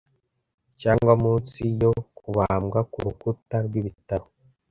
cyangwa munsi yo kubambwa kurukuta rwibitaro